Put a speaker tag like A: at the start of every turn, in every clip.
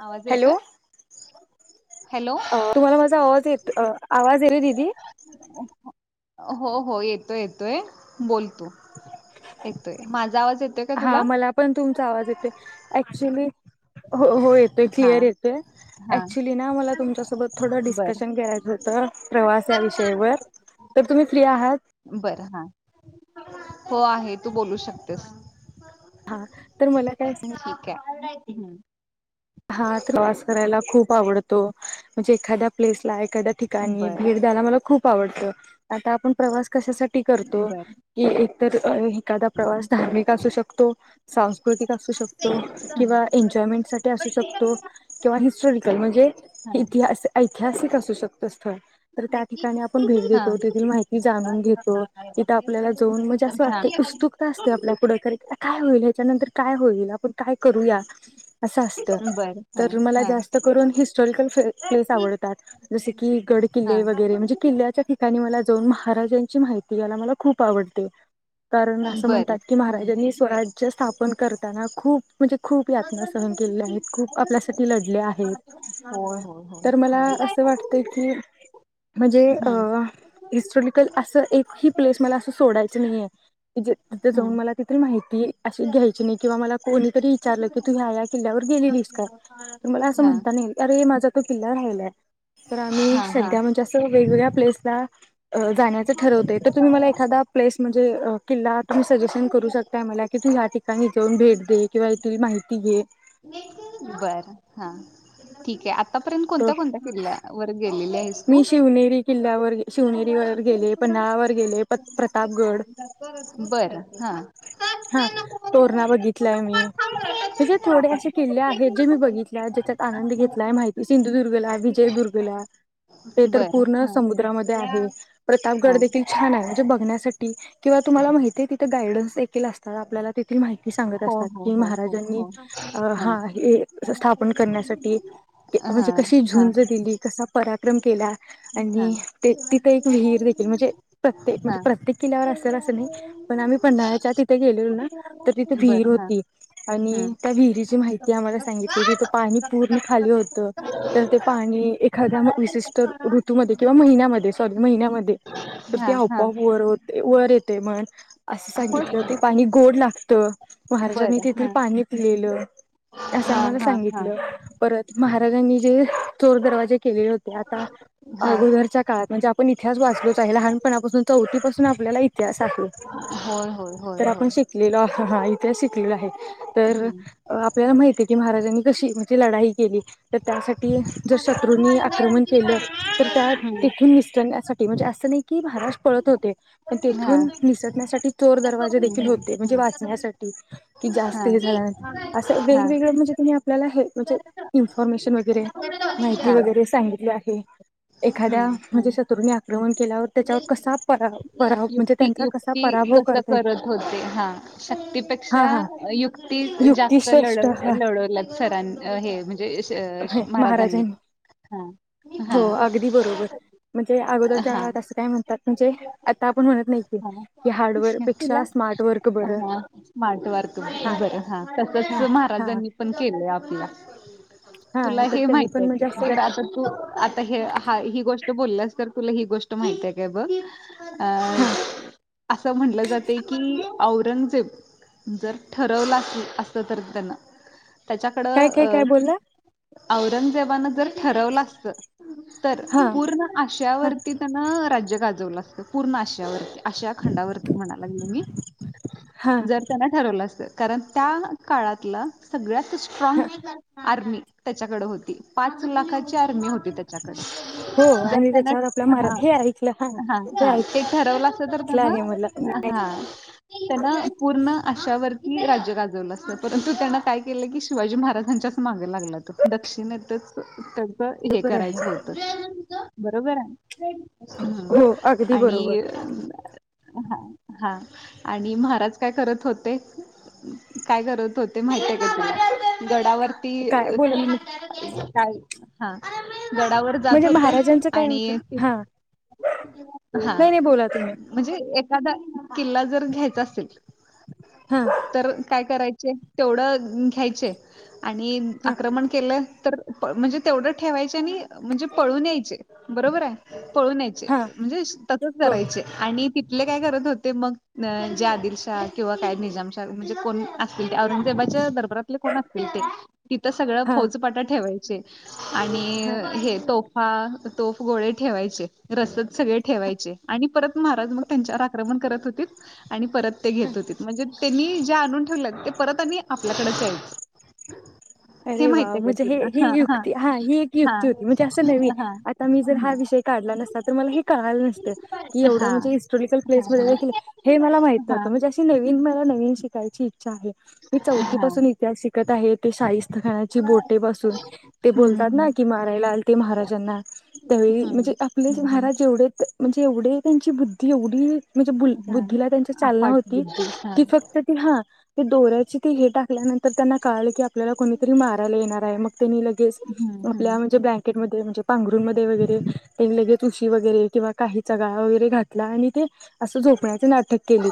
A: आवाज
B: हॅलो
A: येतोय? हॅलो
B: आ तुम्हाला माझा आवाज येत अ आवाज येतोय दिदी.
A: हो हो येतोय येतोय बोल तो. येतोय माझा आवाज येत
B: हा मला पण तुमचा आवाज येते ऐक शिवली हो हो येतोय
A: हा
B: क्लिअर येतोय
A: हा
B: ऍक्च्युली ना मला तुमच्यासोबत थोडं
A: बर.
B: डिस्कशन करायचं होतं प्रवास या विषयावर तर तुम्ही फ्री आहात
A: बरं हा हो आहे तू बोलू शकतेस
B: हा तर मला काय सांग
A: ह्
B: हा प्रवास करायला खूप आवडतो म्हणजे एखाद्या प्लेस ला एखाद्या ठिकाणी
A: बर
B: भेट द्यायला मला खूप आवडतं आता आपण प्रवास कशासाठी करतो
A: बर.
B: की तर एखादा प्रवास धार्मिक असू शकतो तो सांस्कृतिक असू शकतो
A: हा.
B: किंवा एनजॉयमेंटसाठी असू शकतो किंवा हिस्टॉरिकल म्हणजे इ ऐतिहासिक असू शकतो. स्थळ तर त्या ठिकाणी आपण भेट देतो तेथ माहिती जाणून घेतो. तिथं आपल्याला जाऊन म्हणजे असं
A: हा. हा.
B: वाटत उत्सुकता असते आपल्या पुढं काय होईल याच्यानंतर काय होईल आपण काय करूया असं असतं
A: बर हा
B: तर मला
A: हा.
B: जास्त करून हिस्टॉरिकल फ प्लेस आवडतात, जसे की गड
A: हा
B: किल्ले वगैरे म्हणजे किल्ल्याच्या ठिकाणी मला जाऊन महाराजांची माहिती यायला मला खूप आवडते. कारण असं
A: बर
B: म्हणतात की
A: हम्म.
B: महाराजांनी स्वराज्य स्थापन करताना खूप म्हणे खूप यातन्स खूप आपल्यासाठी लढले आहेत,
A: होय होय होय
B: तर मला
A: होय.
B: अस वाटत की म्हणजे
A: हम्म
B: हिस्ट्रॉलिकल अस एक ही प्लेस मला अस सोड [unintelligible] तिथ जाऊन
A: हम्म.
B: मला तिथली माहिती अशी घ्यायची नाही किंवा मला कोणीतरी विचारलं की तु ह्या ह्या गेलेलीस काय तर मला अस
A: हा
B: म्हणता नाही येईल अरे माझा तो किल्ला राहिलाय. तर आम्ही
A: हा हा.
B: सध्या म्हणजे असं वेगवेगळ्या प्लेसला जाण्याचं ठरवतोय तर तुम्ही मला एखादा प्लेस म्हणजे किल्ला तुम्ही सजेशन करू शकताय मला कि तु ह्या ठिका काही जाऊन भेट दे किंवा इथली माहिती घे.
A: बर हा ठीक आहे आ आतापर्यंत
B: तर
A: कोणत्या कोणत्या किल्ल्या वर गेलेल्या आहेत?
B: मी शिवनेरी किल्ल्यावर शिवनेरीवर गेले, पन्हाळावर गेले, परत प्रतापगड.
A: बरं हा.
B: हा तोरणा बघित त्लाय मी हे जे थोडे असे किल्ले आहेत जे मी बघितले आहेत ज्याच्यात आनंद घेतलाय माहिती सिंधुदुर्गला, विजयदुर्गला. ते तर पूर्ण समुद्रामध्ये
A: हा.
B: आहे
A: हा
B: प्रतापगड देखील छान आहे. बघण्यासाठी किंवा तुम्हाला माहिती हे तिथं गायडन्स देखील अस दादा आपल्याला तिथे माहिती सांगत
A: हो
B: असतात
A: हो
B: की
A: हो हो
B: महाराजांनी
A: हो
B: अ हा हे स स्थापन करण्यासाठी ते
A: हा
B: म्हणजे कशी
A: हा
B: झुंज दिली कसा पराक्रम केला.
A: हा.
B: आणि ते तिथे एक विहीर देखील म्हणजे प्रत्ये म्हणजे
A: हा.
B: प्रत्येक किल्ल्यावर असेल असं नाही पण आम्ही पंधळ्याच्या ति गेली हू ना त तिथे
A: बर
B: विहीर
A: हा
B: होती आणि
A: हम्म.
B: त्या विहिरीची माहिती आम्हाला सांगितली तिथ पाणी पूर्ण खाली होत तर ते पाणी एखाद्या म विशष्ट ऋतूमध्ये किंवा महिन्यामध्ये सॉरी महिन्यामध्ये तर
A: हा
B: ते
A: हा.
B: आपआप वर होत ये वर येते म्हण असं सांगी
A: होय
B: त ते पाणी गोड लागत
A: बर
B: महाराजांनी
A: हा
B: तेथील पाणी पिलेलं असं
A: हा
B: आम्हाला
A: हा हा
B: सांगितलं परत महाराजांनी जे चोर दरवा जे केले होते आता
A: हा
B: अगोदरच्या काळात म्हणजे आपण इतिहास वाचलोच आहे लहानपणापासून चौथीपासून आपल्याला इतिहास आहे.
A: होय होय होय
B: तर आपण
A: होय
B: शिकलेलो असं हा इथेच शिकलेलं आहे. तर
A: हम्म
B: अ आपल्याला माहिती हे की महाराजांनी कशी म्हणजे लढाई केली त त्यासाठी ज
A: हम्म
B: शत्रूनी आक्रमण केलं तर त्या तिथून निसटण्यासाठ के म्हणजे असं नाही. की महाराज पळत होते पण
A: हा
B: तेथून निसटण्यासाठी दरवाजे
A: हम्म
B: देखील
A: हम्म
B: होते
A: हम्म
B: म्हणजे
A: हा
B: वाचण्यासाठी की जास्त हे झाल्यानं असे वेगवेगळे म्हणजे तुम्ही आपल्याल म्हणजे इन्फॉर्मेशन वगैरे माहिती
A: हा हा
B: वगैरे सांगितली आहे एखाद्या
A: हम्म हम्म
B: म्हणजे शत्रूनी आक्रमण केल्याव त्याच्यावर कसा परा पराभ म्हणजे त्यांचा कसा पराभव
A: त
B: करता येईल
A: करत होते हा
B: हा
A: शक्तीपेक्षा
B: हा
A: युक्ती
B: युक्ती
A: जास्त लढ
B: श्रेष्ठ आहे
A: लढवल्यात सरां अ हे म्हणजे श महाराजांनी हा
B: हो
A: हा
B: अगदी बरोबर म्हणजे अगोदरच्या
A: हा.
B: [unintelligible] काय म्हणतात म्हणजे आता
A: हा
B: आपण म्हणत नाही की, की हार्डवर
A: तुला अ हा स्मार्टवर्क बरं हा, तसच
B: हा
A: की
B: हा
A: महाराजांनी पण केलंय आप पल्या तुला
B: हा तर
A: हे
B: त्यांनी
A: माहित
B: पण
A: आय
B: म्हणजे
A: काय,
B: असं
A: जर आता तू आता हे हा ही गोष्ट बोलल्यास तर तुल ही गोष ट माहिताय काय बघ. अ
B: हा
A: असं म्हणलं जातंय की औरंगजेब जर ठरवलं असल असत तर तेन
B: काय
A: त्याच्याकडं
B: काय काय बोलला
A: अ औरंगजेबान जर ठरवलं असत, तर
B: हा
A: पूर्ण
B: हा
A: आशियावर ह राज्य गाजवलं असतं, पूर्ण आशियावरती आशिया खंडावरती म्हणा लागले मी,
B: हा
A: जर त्यांन ठरवलं असत कारण त्या काळातला सगळ्या त
B: हा
A: स्ट्रॉंग आर्मी त्याच्याकड होती, पाच लाखा ची आर्मी होती त्याच्याकडे
B: हो
A: जर
B: आणि
A: त्यान
B: त्याच्यावर आपला
A: हा
B: महाराज हे ऐकलं
A: हा
B: हे
A: हा
B: ऐकलं
A: ते ठरवल असत तर म्हण
B: आहे मला
A: अहा तेन पूर्ण अशा वरती राज्य गाजवलं असत, परंतु त्यांन काय केलं की शिवाजी महाराजांच्याच माग लागला तो दक्षिणेतच त [unintelligible] त हे
B: बरोबर आहे
A: करायचं होत [unintelligible] बरोबराय [unintelligible] हम्म्
B: हो अगदी
A: आणि
B: बरोबर
A: अ हा हा आणि महाराज काय करत होते, उ काय करत होते माहिताय का तुला? गडावर ती
B: काय
A: अ ह
B: बोला ना म्हणजे
A: [unintelligible] हा [unintelligible] गडावर जात
B: म्हणजे
A: होते
B: महाराजांचं काय
A: आणि
B: होतं हा
A: हा
B: नाही नाही बोला तुम्ही
A: म्हणजे एखादा किल्ला जर घ्यायचा असेल
B: हा
A: तर का काय करायचे, तेवढं अ घ्यायचे. आणि
B: हा
A: आक्रमण केलं. तर प म्हणजे तेवढं ठेवायचे आणि म्हणजे पळून यायचे बरोबर आय. पळून यायचे
B: हा
A: म्हणजे तसच
B: हो
A: करायचे आणि तिथले काय करत होते मग जे आदिलशा किंवा काय निजामशा म्हणजे कोण ते औरंगजेबाच्या दरबारातले कोण असतील ते तिथं सगळं
B: हा
A: फौजपाटा ठेवाय चे.
B: हा
A: आणि हे तोफ हा तोफ गोळे ठेवयाचे रसत सगळे ठेवायचे आणि परत महाराज मग त्यांच्यावर आक्रमण करत होते आणि परत ते
B: हा
A: घेत होतीत. म्हणजे त्यांनी जे आणून ठेवले ते परत आणि आपल्याकडंच यायचं हे
B: अरे वा
A: माहित आहे का
B: म्हणजे हे
A: तुला
B: ही
A: हा
B: युक्ती, हा ही एक
A: हा
B: युक्ती होती. म्हणजे असं नव्हे,
A: हा
B: आता मी जर हा
A: हम्म
B: विषय काडला नसता तर मला हे कळालं नसतं,
A: हा
B: की एवढं
A: हा
B: म्हणजे हिस्टोरीकल प्लेसमध्ये
A: हा
B: देखील हे मला माहित
A: हा
B: नव्हतं म्हणजे अशी नवीन मला नवीन काय [unintelligible] [unintelligible] मी चौथी
A: हा
B: पासून इतिहास शिकत आहे. ते शाहीस खानाची बोटे बसून, ते बोलतात ना,
A: हम्म
B: की मारायला आलते महाराजांना त्यावेळी म्हणजे
A: हम्म
B: आपलेच
A: हम्म हम्म
B: महाराज एवढे म्हणजे एवढे, त्यांची बुद्धी एवढी म्हणजेु
A: हम्म
B: बुद्धीला त्यांची
A: हा
B: चालना
A: अफाट
B: होती,
A: बुद्धी हा
B: कि फक्त ती हा ते दोऱ्याचे ते हे टाकल्यानंतर त्यांना कळालं की आपल्या मारायला येणार हाय, मग त्यांनी लगेच,
A: हम्म हम्म
B: आपल्या म्हणजे ब्लँकेट म्हणजे पांघरुन मध्ये वगैरे, ते लगेच उशी वगैरे किंवा काही चगाळा वगैरे, घातला आणि ते असं झोपण्याच नाट क केली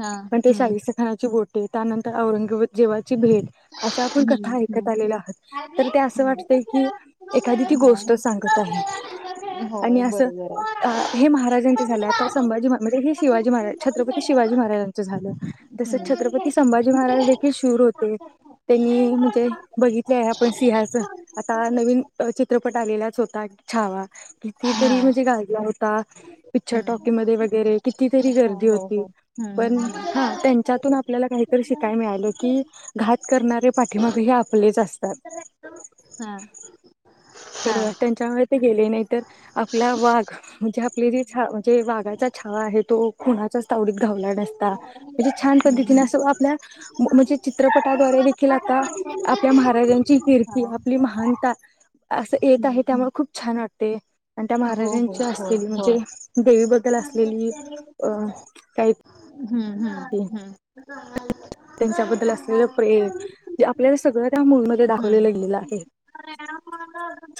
A: हा
B: पण ते
A: हम्म
B: शायिस्तेखानाची बोटं त्यानंतर औरंगाबाद जीवात भेट, अशी आपण
A: हम्म हम्म
B: ऐकत आलेलं आहात,
A: होय
B: तर ते असं वाटतय की, एखादी ती गोष्ट सांगत आहे आणि असं
A: बरोबर
B: हे
A: आहे.
B: महाराजांच झालं. आता संभाजी म्हणजे हे शिवाजी महाराजांच, छत्रपती शिवाजी महाराजांच झालं. तसंच छत्रपती संभाजी महाराज देखील शूर होते त्यांनी म्हणजे बघितले आहे आपण
A: हम्म.
B: सिंहाच आता नवीन चित्रपट आलेलाच होता छावा
A: हा
B: कितीतरी म्हणजे गाजला होत ता पिच्चर
A: हम्म
B: टॉकी मध्ये वगैरे कितीतरी
A: हो
B: गर्दी
A: हो
B: होती.
A: हो हम्म
B: पण
A: हम्म हम्म.
B: हा त्यांच्यातून आपल्याला काहीतरी शिकाय मिळालं की घात करणारे पाठीमाग हे, आपलेच असतात
A: हा
B: फिर
A: हा
B: वाट्यांच्या [unintelligible] गेले नाही, तर आपला वाघ म्हणजे आपले जे छा जे वाघाचा छावा आहे तो कुणाच्याच तावडीत घावला नाही. म्हणजे छान
A: हम्म
B: पद्धतीने
A: हम्म.
B: असं आपल्या म्हणजे चित्रपटाद्वारे देखील
A: हा
B: आता आपल्या महाराजांची किर्ती आपली महानता असं येत आहे
A: हम्म हम्म
B: त्यामुळे खूप छान वाटतं. ते आणि त्या
A: हो हो
B: महाराजांची,
A: हो
B: असलेली
A: हो.
B: म्हणजे देवीबद्दल
A: हम्म
B: असलेली, अं काही
A: हम्म, हम्म, हम्म हा.
B: त्यांच्याबद्दल असलेलं प्रेम आपल्याला सगळं त्या मूडमध्येध्ये दाखवले
A: हम्म.
B: लागलेलं आहे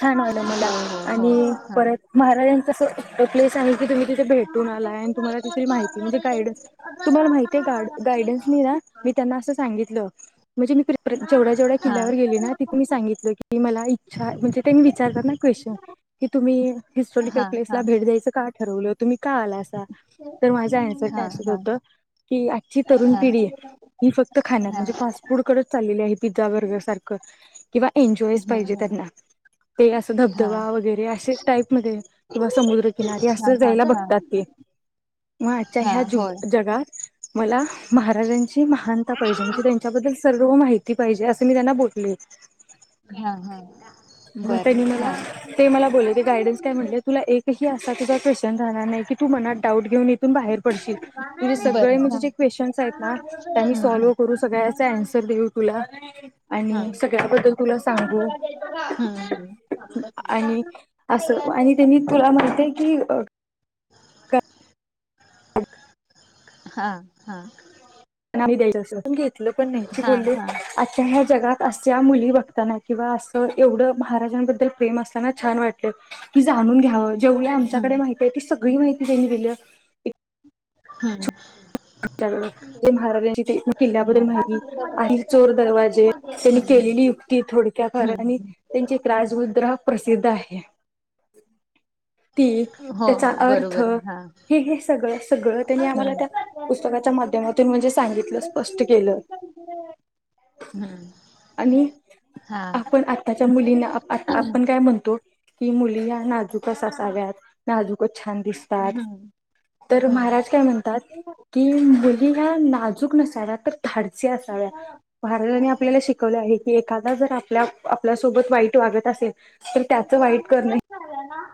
B: छान वालं मला
A: होय होय
B: आणि. परत महाराजांचा. त प्लेस आणि. की तुम्ही तिथे भेटून आलाय, आणि तुम्हाला तिरी माहिती म्हणजे गायडन्स तुम्हाला माहितीे ग गायडन्सनी ना. त्यांना असं सांगितलं म्हणजे, मी प्र
A: हा.
B: जेवढ्या जेवढ्या
A: हा.
B: किल्ल्यावर गेली ना तिथे मी सांगितलं, की मला इच्छा म्हणजे त्यां मी विचारत ना क्वेशचन की तुम्ही हिस्टॉरिकल
A: हा हा.
B: प्लेसला भेट द्यायचं काठ. ठरवलं तुम्ही का आला असा. तर माझ्या
A: हा
B: याण्यासारख्या
A: हा
B: अस
A: हा.
B: होत, की आजची तरुण पिढी आहे. फक्त खा
A: हा
B: म्हजे फस्ट फूडचल आहेत [unintelligible] पिझ्झा बर्गर सारखं किंवा एन्जॉयस
A: हम्म
B: पाहिजे
A: हम्म
B: त्यांना, ते असं
A: हा.
B: धबधबा वगैरे असे टाईप मध्ये किंवा समुद्रकिनारी
A: हा
B: असं
A: हा
B: जायला
A: हा
B: बघतात, ते मग आजच्या
A: हा
B: ह्या
A: होय.
B: जगात. मला महाराज. पाहिजे म्हणे त्यांच्या सर्व माहिती. जे असं मी त्यांना बले [unintelligible]
A: हा हा बरं
B: त्यांनी मला
A: हा.
B: झं [unintelligible] तू मत डाऊट घेऊन इथून बाहेर पडशील तुझे सगळे
A: बरं हा.
B: म्हणे जे क्वेशन् आहेत
A: हम्म
B: ना.
A: हम्म.
B: सव करू सगळन्र देऊ तु
A: हा.
B: आणि सगळ्याबद्दल तुला सांग
A: हम्म
B: तु
A: हम्म.
B: म्ह [unintelligible] [unintelligible]
A: हा हा.
B: यच अस [unintelligible] पण नाही
A: हा
B: बोलल
A: हा.
B: आ [unintelligible] जगात अस ज मुली बघताना किंवा असं एवढं महाराजांबद्दल. प्रेम असताना
A: हम्म
B: छान वाटले. तुझा आणून घ्या. जेवढ्या आमच्याकडे माहिती आहे, ती सगळी माहिती त्यांनी दिली.
A: हं.
B: आपल्याकड. ते महाराजांची ते किल्ल्याबद्दल
A: हो.
B: माहिती आणि चोर दरवाजे
A: हम्म
B: त्यांनी
A: हम्म
B: केलेली युक्ती थोडक्या फार आणि
A: हम्म
B: त्यांची एक राजमुुद्रा प्रसिद्ध आहे. ती
A: हो
B: त्याचा अर्थ
A: बरोबर आहे हा
B: हे हे सगळं सगळं त्यांनी
A: हम्म.
B: आम्हाला त्या पुस्तकाच्या माध्यमातून म्हणजे सांगितलं, स्पष्ट केलं.
A: हम्म
B: आणि
A: हा.
B: आपण आताच्या मुलींना आप आपण काय म्हणतो की मुलीया नाजूक अस साव्यात. नाजूकच छान दितात.
A: हम्म
B: तर माहाराज
A: हम्म.
B: काय म्हणतात, की मुली या ना जुक नसाव्यात. तर धाडसी असाव्या. महाराजांनी
A: दोघांचं
B: आपल्याला शिकवले आहे की एखादा जर आपल्या आपल्यासोबत वाईट ट वागत असेल तर त्याच वाईट करणं ही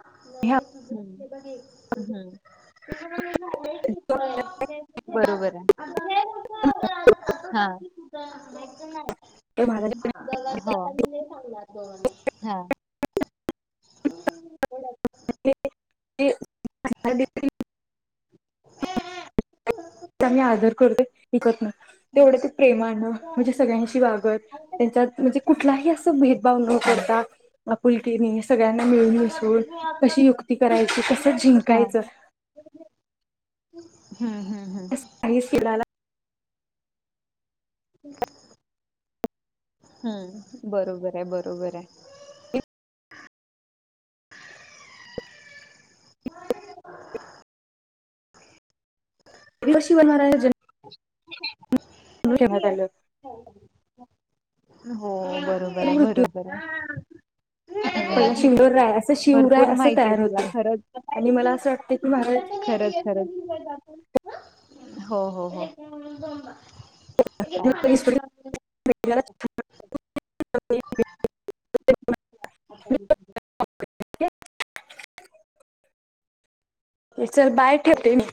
A: [unintelligible] हं. बरोबर आहे. हां, [inaudible]
B: हे
A: हो. हा.
B: [unintelligible] त्यांचा मी
A: सांग
B: आदर करते. विकतन, तेवढं ते प्रेमानं म्हणजे सगळ्यांशी वागत त्यांच्यात म्हणजे कुठलाही असा भेदभाव न करता आपुलकीनी सगळ्यांना मिळून मिसळून
A: हा
B: कशी युक्ती करायची? कसं
A: हम्म
B: जिंकायचं?
A: [inaudible] हम्म
B: [unintelligible]
A: हं, बरोबर आहे, बरोबर आहे.
B: [unintelligible]
A: [inaudible] थँक
B: ठेवण्यात
A: यू,
B: आलं
A: थँक यू. हो.
B: तर
A: बरोबर आहे,
B: मृत्यू
A: बरोबर आहे.
B: पहिला शिंगोर रायाच शिवराय
A: भरपूर
B: असं
A: माहिती आहे
B: तयार होत
A: तुला
B: आणि मला असं वाटत की महाराज
A: खरच खरच, हो हो हो. [unintelligible]
B: [inaudible]
A: [inaudible]
B: ये चल बाहेर ठेवते मी.